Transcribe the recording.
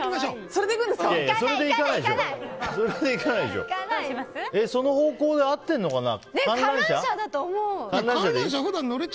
その方向で合ってるのかな。